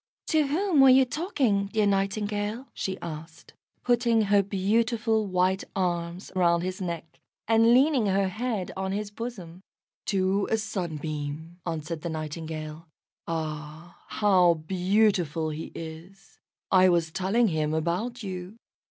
"To whom were you talking, dear Nightingale?" she asked, putting her beautiful white arms round his neck, and leaning her head on his bosom. "To a Sunbeam," answered the Nightingale. "Ah, how beautiful he is! I was telling him about you.